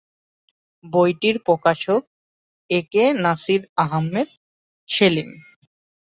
বইটির প্রকাশক A K Nasir Ahmed Selim.